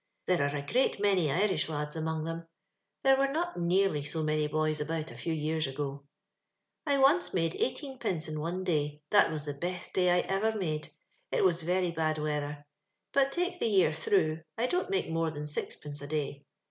There are a great many Irish lads among tliem. There were not nearly so many boys about a few years ogo. " I once made eii^hteenpenee in one day, that was the best day I ever made : it was \Qvy bud weather : but, take the year tliroiigh, I don't make more than sixpence a day.